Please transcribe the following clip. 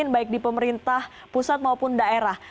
baik di pemerintah pusat maupun daerah